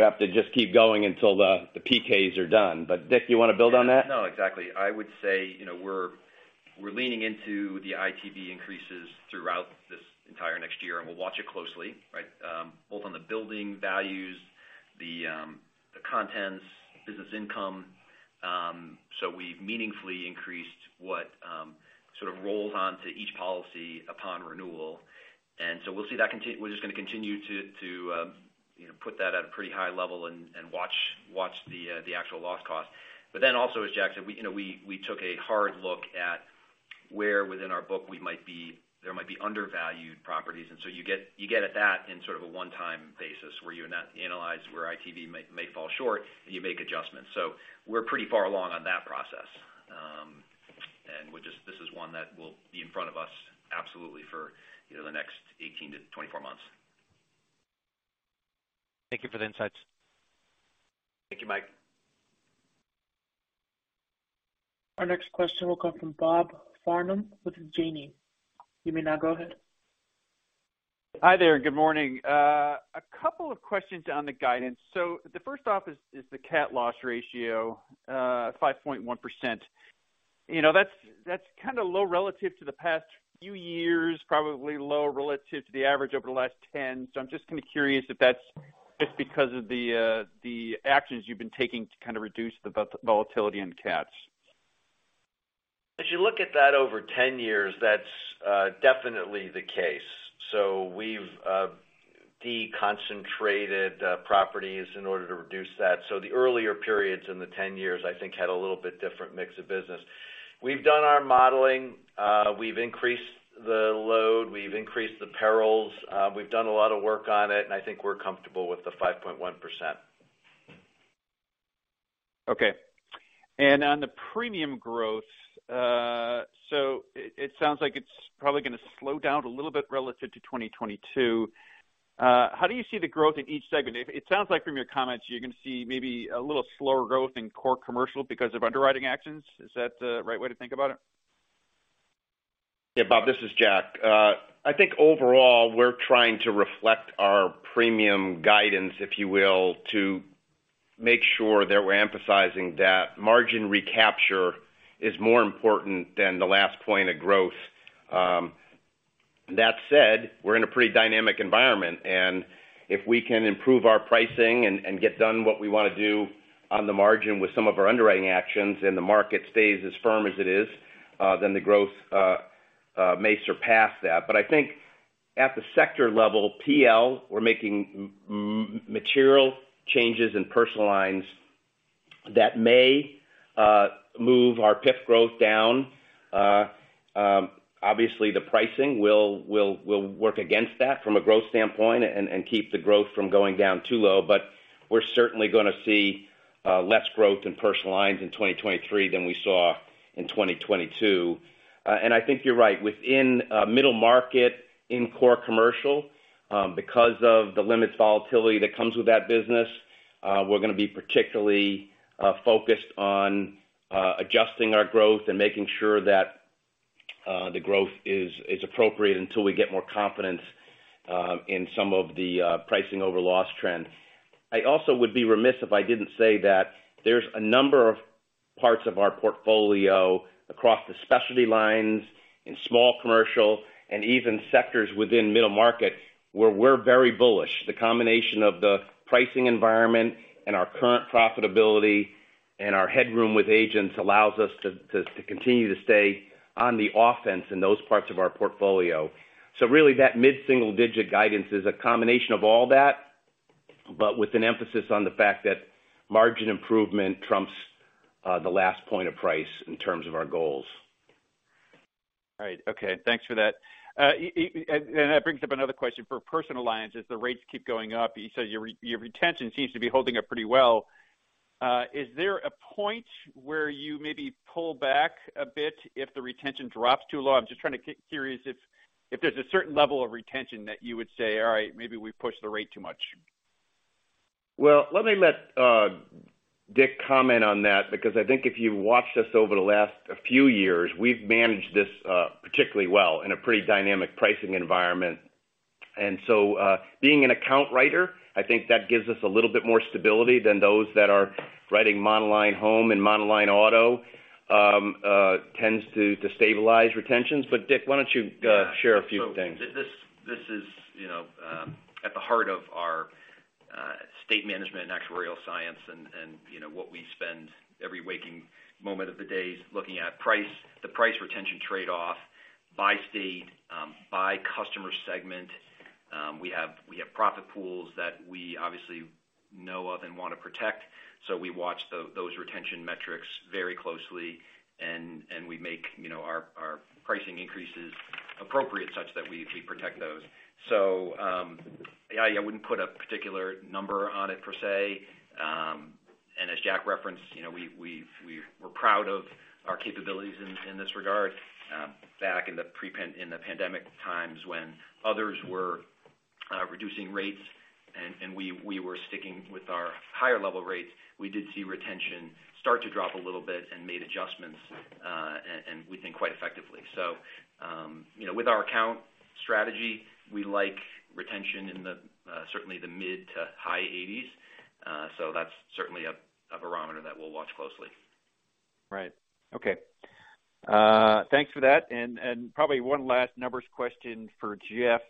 have to just keep going until the PK's are done. Dick, you wanna build on that? No, exactly. I would say, you know, we're leaning into the ITB increases throughout this entire next year, and we'll watch it closely, right? Both on the building values, the contents, business income. We've meaningfully increased what sort of rolls on to each policy upon renewal. We'll see that we're just gonna continue to, you know, put that at a pretty high level and watch the actual loss cost. Also, as Jack said, we, you know, we took a hard look at where within our book we might be undervalued properties. You get at that in sort of a one-time basis where you're not analyzed, where ITB may fall short, and you make adjustments. We're pretty far along on that process. This is one that will be in front of us absolutely for, you know, the next 18-24 months. Thank you for the insights. Thank you, Mike. Our next question will come from Bob Farnum with Janney. You may now go ahead. Hi there. Good morning. A couple of questions on the guidance. The first off is the cat loss ratio, 5.1%. You know, that's kinda low relative to the past few years, probably low relative to the average over the last 10. I'm just kinda curious if that's just because of the actions you've been taking to kind of reduce the volatility in the cats? If you look at that over 10 years, that's definitely the case. We've deconcentrated properties in order to reduce that. The earlier periods in the 10 years, I think, had a little bit different mix of business. We've done our modeling, we've increased the load, we've increased the perils. We've done a lot of work on it, and I think we're comfortable with the 5.1%. Okay. On the premium growth, it sounds like it's probably gonna slow down a little bit relative to 2022. How do you see the growth in each segment? It sounds like from your comments, you're gonna see maybe a little slower growth in core commercial because of underwriting actions. Is that the right way to think about it? Yeah, Bob, this is Jack. I think overall we're trying to reflect our premium guidance, if you will, to make sure that we're emphasizing that margin recapture is more important than the last point of growth. That said, we're in a pretty dynamic environment, and if we can improve our pricing and get done what we wanna do on the margin with some of our underwriting actions and the market stays as firm as it is, then the growth may surpass that. I think at the sector level, PL, we're making material changes in personal lines that may move our PIF growth down. Obviously, the pricing will work against that from a growth standpoint and keep the growth from going down too low. We're certainly going to see less growth in personal lines in 2023 than we saw in 2022. I think you're right. Within middle market, in core commercial, because of the limits volatility that comes with that business, we're going to be particularly focused on adjusting our growth and making sure that the growth is appropriate until we get more confidence in some of the pricing over loss trend. I also would be remiss if I didn't say that there's a number of parts of our portfolio across the specialty lines, in small commercial, and even sectors within middle market where we're very bullish. The combination of the pricing environment, and our current profitability, and our headroom with agents allows us to continue to stay on the offense in those parts of our portfolio. Really, that mid-single-digit guidance is a combination of all that, but with an emphasis on the fact that margin improvement trumps, the last point of price in terms of our goals. All right. Okay. Thanks for that. That brings up another question. For personal lines, as the rates keep going up, you said your retention seems to be holding up pretty well. Is there a point where you maybe pull back a bit if the retention drops too low? I'm just trying to curious if there's a certain level of retention that you would say, "All right, maybe we've pushed the rate too much. Well, let me let, Dick comment on that, because I think if you watched us over the last few years, we've managed this, particularly well in a pretty dynamic pricing environment. Being an account writer, I think that gives us a little bit more stability than those that are writing monoline home and monoline auto, tends to stabilize retentions. Dick, why don't you, share a few things? Yeah. This is, you know, at the heart of our state management and actuarial science and, you know, what we spend every waking moment of the days looking at price, the price retention trade-off by state, by customer segment. We have profit pools that we obviously know of and wanna protect, we watch those retention metrics very closely and we make, you know, our pricing increases appropriate such that we protect those. Yeah, I wouldn't put a particular number on it per se. As Jack referenced, you know, we're proud of our capabilities in this regard. back in the pandemic times when others were reducing rates and we were sticking with our higher level rates, we did see retention start to drop a little bit and made adjustments and we think quite effectively. You know, with our account strategy, we like retention in the certainly the mid to high 80s. That's certainly a barometer that we'll watch closely. Right. Okay. thanks for that. probably one last numbers question for Jeff.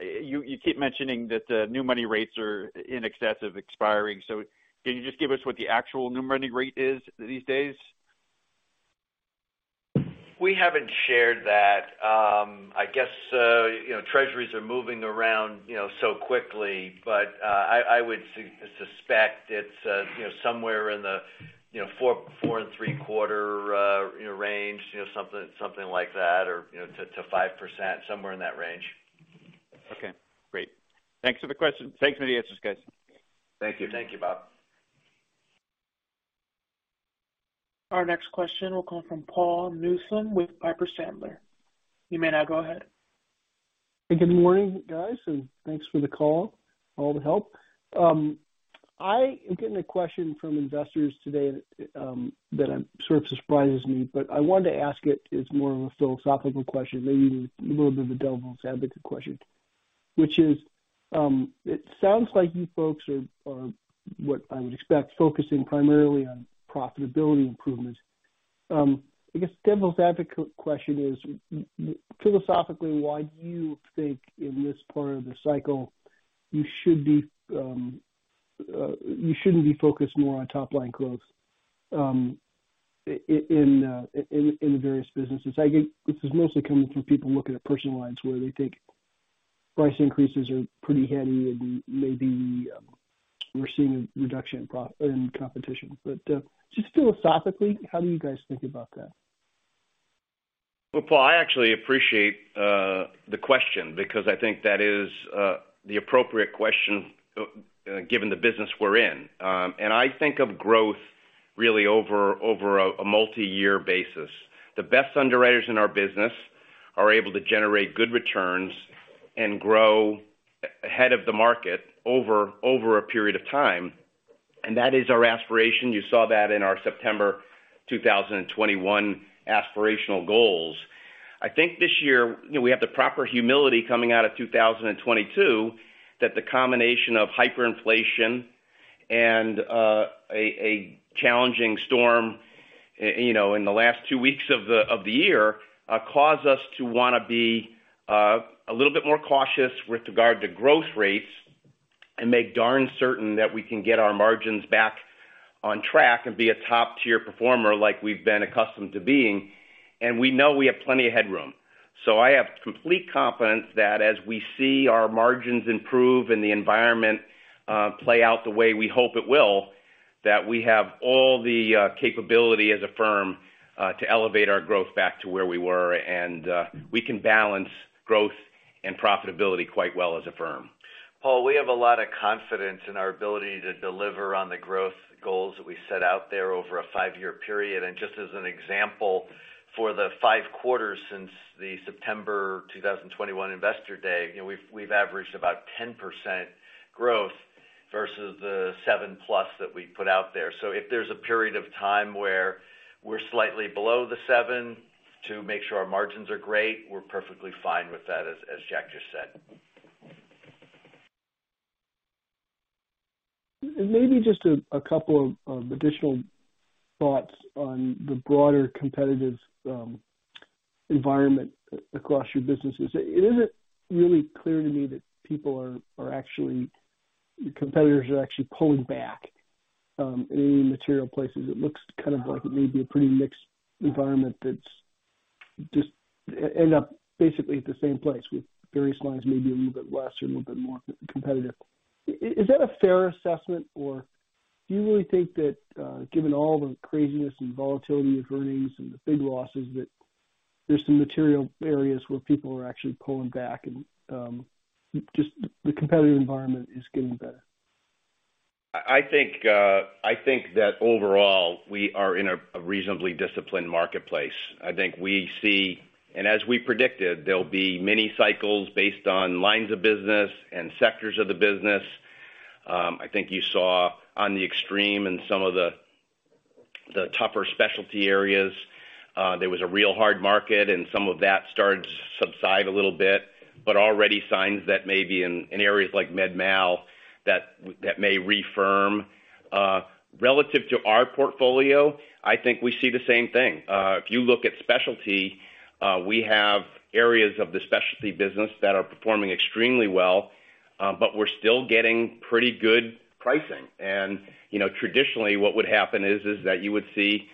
you keep mentioning that the new money rates are in excess of expiring. can you just give us what the actual new money rate is these days? We haven't shared that. I guess, you know, Treasuries are moving around, you know, so quickly. I would suspect it's, you know, somewhere in the, you know, four-quarter and three-quarter, you know, range, you know, something like that or, you know, to 5%. Somewhere in that range. Okay, great. Thanks for the question. Thanks for the answers, guys. Thank you. Thank you, Bob. Our next question will come from Paul Newsome with Piper Sandler. You may now go ahead. Hey, good morning, guys, and thanks for the call, all the help. I am getting a question from investors today, that I'm sort of surprises me, but I wanted to ask it as more of a philosophical question, maybe even a little bit of a devil's advocate question, which is, it sounds like you folks are, what I would expect, focusing primarily on profitability improvements. I guess devil's advocate question is, philosophically, why do you think in this part of the cycle you should be, you shouldn't be focused more on top-line growth, in the various businesses? I get this is mostly coming from people looking at personal lines where they think price increases are pretty heady and maybe, we're seeing a reduction in competition. Just philosophically, how do you guys think about that? Well, Paul, I actually appreciate the question because I think that is the appropriate question given the business we're in. I think of growth really over a multi-year basis. The best underwriters in our business are able to generate good returns and grow ahead of the market over a period of time, and that is our aspiration. You saw that in our September 2021 aspirational goals. I think this year, you know, we have the proper humility coming out of 2022, that the combination of hyperinflation and a challenging storm, you know, in the last two weeks of the year, caused us to wanna be a little bit more cautious with regard to growth rates. Make darn certain that we can get our margins back on track and be a top-tier performer like we've been accustomed to being. We know we have plenty of headroom. I have complete confidence that as we see our margins improve and the environment play out the way we hope it will, that we have all the capability as a firm to elevate our growth back to where we were, and we can balance growth and profitability quite well as a firm. Paul, we have a lot of confidence in our ability to deliver on the growth goals that we set out there over a five-year period. Just as an example, for the five quarters since the September 2021 Investor Day, you know, we've averaged about 10% growth versus the 7%+ that we put out there. If there's a period of time where we're slightly below the 7% to make sure our margins are great, we're perfectly fine with that, as Jack just said. Maybe just a couple of additional thoughts on the broader competitive environment across your businesses. It isn't really clear to me that people are competitors are actually pulling back in any material places. It looks kind of like it may be a pretty mixed environment that's just end up basically at the same place with various lines, maybe a little bit less or a little bit more competitive. Is that a fair assessment, or do you really think that, given all the craziness and volatility of earnings and the big losses, that there's some material areas where people are actually pulling back and, just the competitive environment is getting better? I think that overall, we are in a reasonably disciplined marketplace. I think we see, and as we predicted, there'll be many cycles based on lines of business and sectors of the business. I think you saw on the extreme in some of the tougher specialty areas, there was a real hard market, and some of that started to subside a little bit, but already signs that maybe in areas like med mal that may refirm. Relative to our portfolio, I think we see the same thing. If you look at specialty, we have areas of the specialty business that are performing extremely well, but we're still getting pretty good pricing. You know, traditionally what would happen is that you would see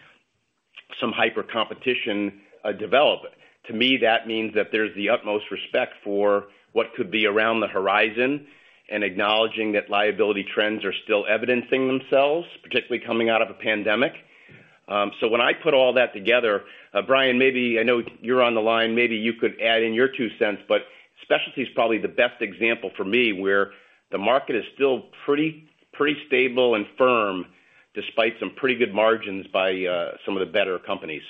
some hyper competition, develop. To me, that means that there's the utmost respect for what could be around the horizon and acknowledging that liability trends are still evidencing themselves, particularly coming out of a pandemic. When I put all that together, Bryan, maybe, I know you're on the line, maybe you could add in your $0.02, but specialty is probably the best example for me, where the market is still pretty stable and firm despite some pretty good margins by some of the better companies.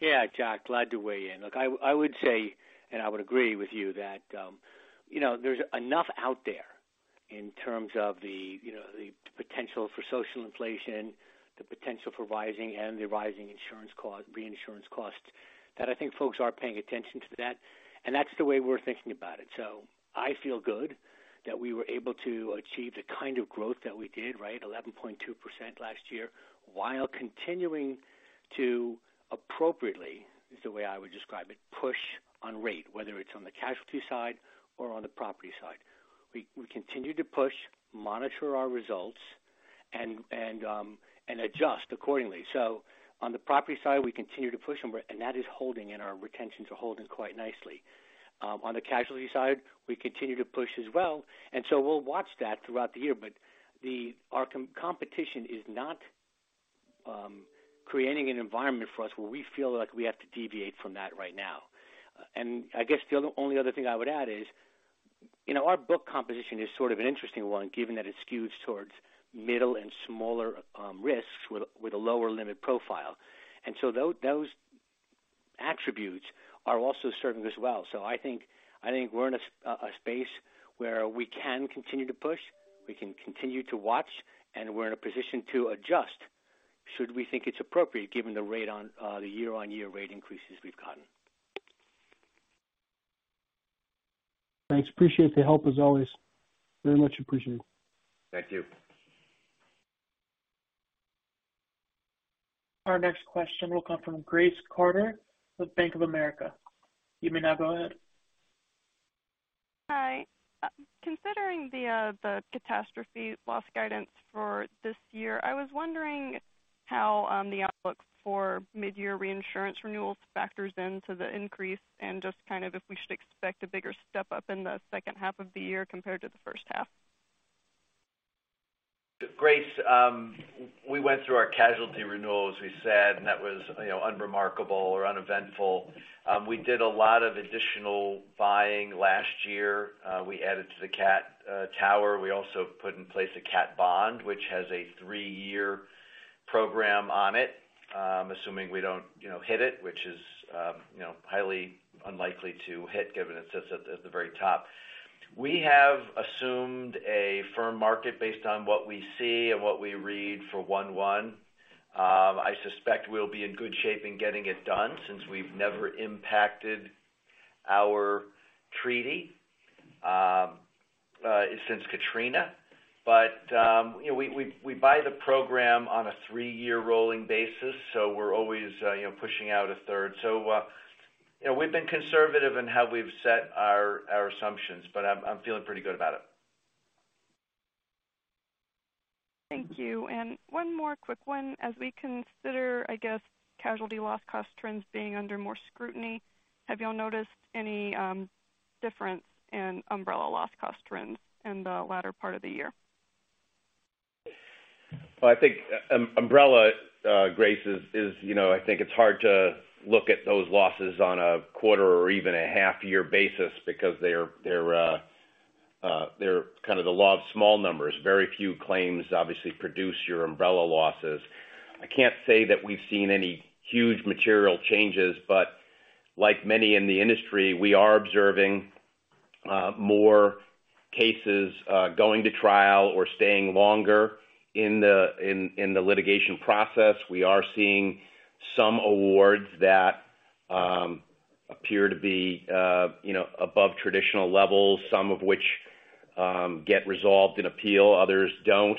Yeah, Jack, glad to weigh in. Look, I would say, and I would agree with you that, you know, there's enough out there in terms of the, you know, the potential for social inflation, the potential for rising reinsurance costs, that I think folks are paying attention to that, and that's the way we're thinking about it. I feel good that we were able to achieve the kind of growth that we did, right? 11.2% last year while continuing to appropriately, is the way I would describe it, push on rate, whether it's on the casualty side or on the property side. We continue to push, monitor our results, and adjust accordingly. On the property side, we continue to push on rate, and that is holding, and our retentions are holding quite nicely. On the casualty side, we continue to push as well. We'll watch that throughout the year. Our competition is not creating an environment for us where we feel like we have to deviate from that right now. I guess the only other thing I would add is, you know, our book composition is sort of an interesting one, given that it skews towards middle and smaller risks with a lower limit profile. Those attributes are also serving us well. I think, I think we're in a space where we can continue to push, we can continue to watch, and we're in a position to adjust should we think it's appropriate given the rate on the year-on-year rate increases we've gotten. Thanks. Appreciate the help as always. Very much appreciated. Thank you. Our next question will come from Grace Carter with Bank of America. You may now go ahead. Hi. Considering the catastrophe loss guidance for this year, I was wondering how the outlook for mid-year reinsurance renewals factors into the increase and just kind of if we should expect a bigger step-up in the second half of the year compared to the first half. Grace, we went through our casualty renewal, as we said, and that was, you know, unremarkable or uneventful. We did a lot of additional buying last year. We added to the cat tower. We also put in place a cat bond, which has a three-year program on it, assuming we don't, you know, hit it, which is, you know, highly unlikely to hit given it sits at the very top. We have assumed a firm market based on what we see and what we read for 1/1. I suspect we'll be in good shape in getting it done since we've never impacted our treaty since Katrina. You know, we buy the program on a three-year rolling basis, so we're always, you know, pushing out a third. You know, we've been conservative in how we've set our assumptions, but I'm feeling pretty good about it. Thank you. One more quick one. As we consider, I guess, casualty loss cost trends being under more scrutiny, have y'all noticed any difference in umbrella loss cost trends in the latter part of the year? Well, I think umbrella, Grace, is, you know, I think it's hard to look at those losses on a quarter or even a half year basis because they're kind of the law of small numbers. Very few claims obviously produce your umbrella losses. I can't say that we've seen any huge material changes, but like many in the industry, we are observing more cases going to trial or staying longer in the litigation process. We are seeing some awards that appear to be, you know, above traditional levels, some of which get resolved in appeal, others don't.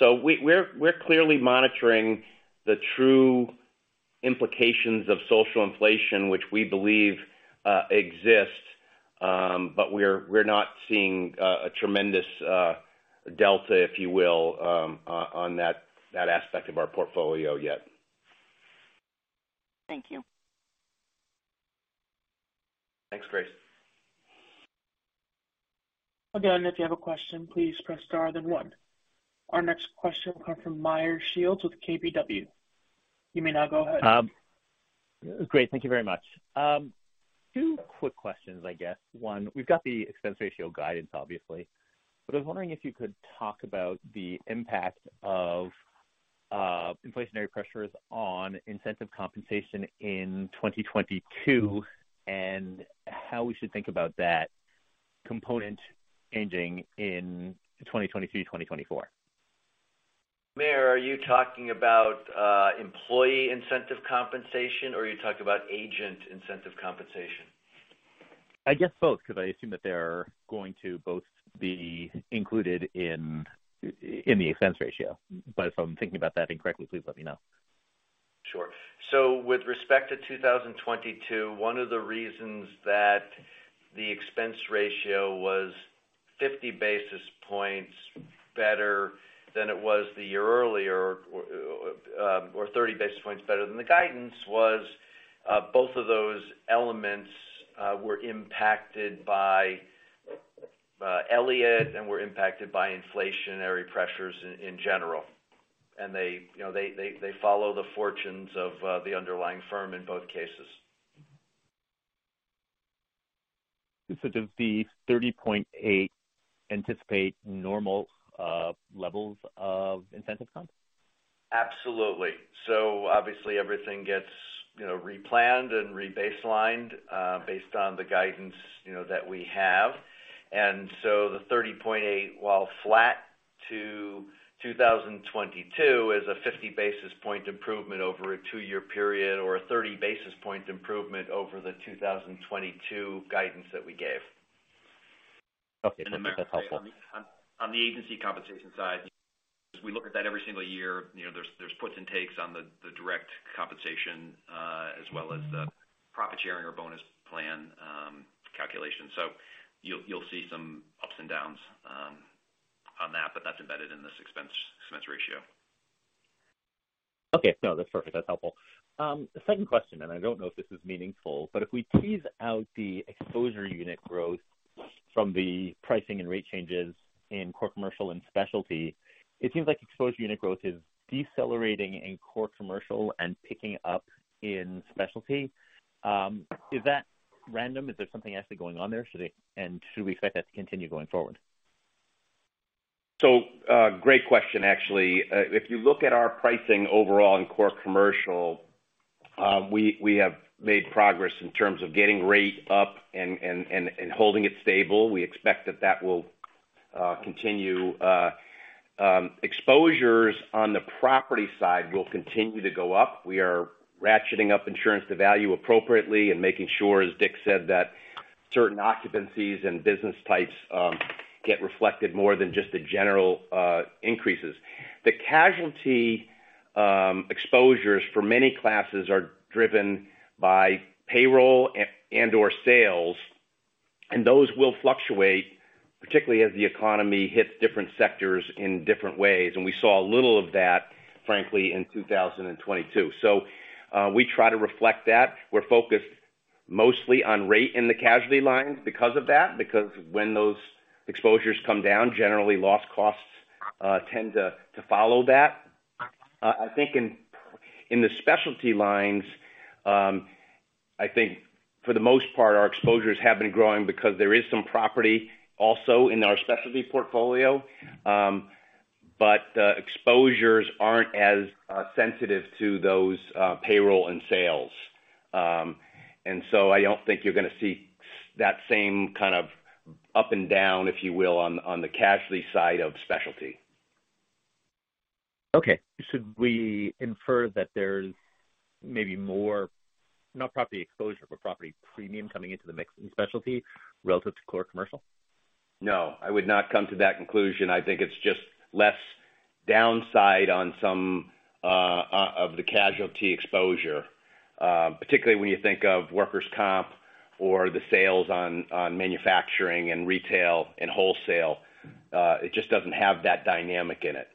We're clearly monitoring the true implications of social inflation, which we believe exists. We're not seeing a tremendous delta, if you will, on that aspect of our portfolio yet. Thank you. Thanks, Grace. Again, if you have a question, please press star then one. Our next question will come from Meyer Shields with KBW. You may now go ahead. Great. Thank you very much. Two quick questions, I guess. One, we've got the expense ratio guidance, obviously. I was wondering if you could talk about the impact of inflationary pressures on incentive compensation in 2022, and how we should think about that component changing in 2023, 2024. Meyer, are you talking about employee incentive compensation or are you talking about agent incentive compensation? I guess both, 'cause I assume that they're going to both be included in the expense ratio. If I'm thinking about that incorrectly, please let me know. Sure. With respect to 2022, one of the reasons that the expense ratio was 50 basis points better than it was the year earlier, or 30 basis points better than the guidance was, both of those elements were impacted by Elliott and were impacted by inflationary pressures in general. They, you know, they follow the fortunes of the underlying firm in both cases. Does the 30.8 anticipate normal levels of incentive comp? Absolutely. Obviously everything gets, you know, replanned and re-baselined, based on the guidance, you know, that we have. The 30.8, while flat to 2022, is a 50 basis point improvement over a 2-year period or a 30 basis point improvement over the 2022 guidance that we gave. Okay. That's helpful. On the agency compensation side, we look at that every single year. You know, there's puts and takes on the direct compensation, as well as the profit sharing or bonus plan, calculation. You'll see some ups and downs on that, but that's embedded in this expense ratio. Okay. No, that's perfect. That's helpful. The second question, I don't know if this is meaningful, but if we tease out the exposure unit growth from the pricing and rate changes in core commercial and specialty, it seems like exposure unit growth is decelerating in core commercial and picking up in specialty. Is that random? Is there something actually going on there? Should we expect that to continue going forward? Great question actually. If you look at our pricing overall in core commercial, we have made progress in terms of getting rate up and holding it stable. We expect that that will continue. Exposures on the property side will continue to go up. We are ratcheting up insurance-to-value appropriately and making sure, as Dick said, that certain occupancies and business types get reflected more than just the general increases. The casualty exposures for many classes are driven by payroll and/or sales, and those will fluctuate, particularly as the economy hits different sectors in different ways. We saw a little of that, frankly, in 2022. We try to reflect that. We're focused mostly on rate in the casualty lines because of that, because when those exposures come down, generally loss costs tend to follow that. I think in the specialty lines, I think for the most part, our exposures have been growing because there is some property also in our specialty portfolio. The exposures aren't as sensitive to those payroll and sales. I don't think you're gonna see that same kind of up and down, if you will, on the casualty side of specialty. Okay. Should we infer that there's maybe more, not property exposure, but property premium coming into the mix in specialty relative to core commercial? No, I would not come to that conclusion. I think it's just less downside on some of the casualty exposure, particularly when you think of workers' comp or the sales on manufacturing and retail and wholesale. It just doesn't have that dynamic in it.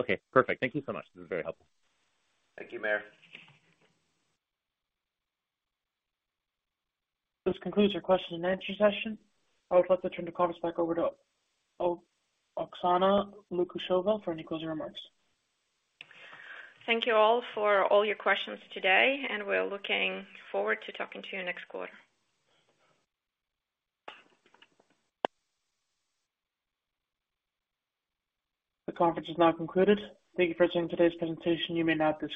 Okay, perfect. Thank you so much. This is very helpful. Thank you, Meyer. This concludes your question and answer session. I would like to turn the conference back over to Oksana Lukasheva for any closing remarks. Thank you all for all your questions today, and we're looking forward to talking to you next quarter. The conference is now concluded. Thank you for attending today's presentation. You may now disconnect.